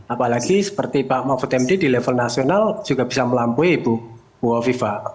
apalagi seperti pak mahfud md di level nasional juga bisa melampaui buho viva